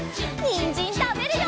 にんじんたべるよ！